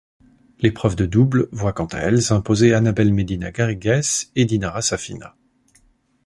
L'épreuve de double voit quant à elle s'imposer Anabel Medina Garrigues et Dinara Safina.